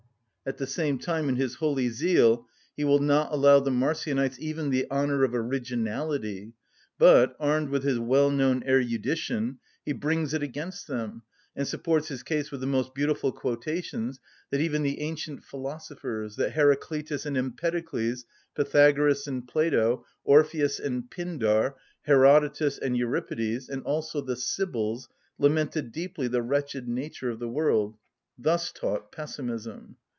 At the same time, in his holy zeal, he will not allow the Marcionites even the honour of originality, but, armed with his well‐known erudition, he brings it against them, and supports his case with the most beautiful quotations, that even the ancient philosophers, that Heraclitus and Empedocles, Pythagoras and Plato, Orpheus and Pindar, Herodotus and Euripides, and also the Sibyls, lamented deeply the wretched nature of the world, thus taught pessimism.